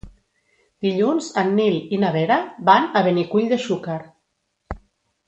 Dilluns en Nil i na Vera van a Benicull de Xúquer.